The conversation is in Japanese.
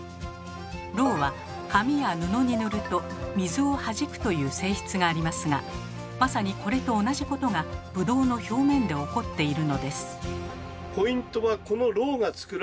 ろうは紙や布に塗ると水をはじくという性質がありますがまさにこれと同じことがブドウの表面で起こっているのです。